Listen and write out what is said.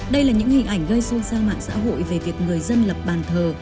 đây là những hình ảnh gây xuôi ra mạng xã hội về việc người dân lập bàn thờ